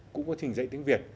cũng có trình dạy tiếng việt